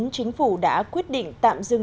chính phủ đã quyết định tạm dừng